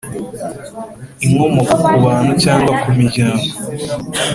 inkomoko ku bantu cyangwa ku miryango